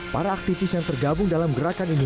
para aktivis yang tergabung dalam gerakan ini